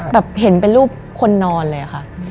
แบบเห็นเป็นรูปคนนอนเลยค่ะ